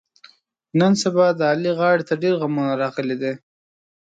نن سبا د علي غاړې ته ډېرغمونه راغلي دي.